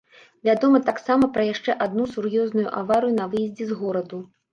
Вядома таксама пра яшчэ адну сур'ёзную аварыю на выездзе з гораду.